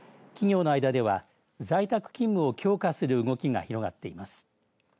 企業の間では在宅勤務を強化する動きが広がっています。